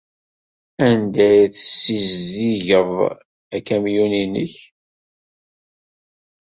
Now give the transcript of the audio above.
Anda ay tessizdigeḍ akamyun-nnek?